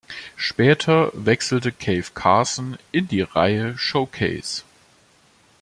Später wechselte Cave Carson in die Reihe "Showcase".